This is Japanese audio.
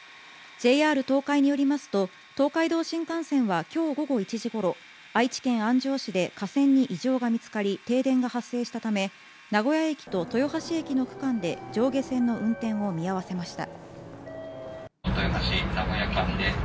ＪＲ東海によりますと、東海道新幹線は今日午後１時ごろ、愛知県安城市で架線に異常が見つかり、停電が発生したため名古屋駅と豊橋駅の区間で、上下線の運転を見合わせました。